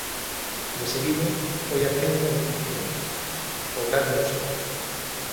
Deseguido, foi a quenda do financiamento, o grande ausente.